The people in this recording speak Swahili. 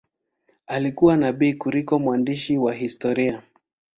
Alikuwa nabii kuliko mwandishi wa historia.